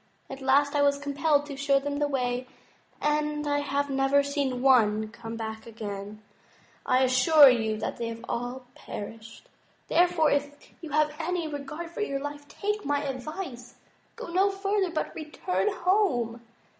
At last I was compelled to show them the way, and I have never seen one come back again. I assure you they have all perished. Therefore, if you have any regard for your life, take my advice. Go no further, but return home."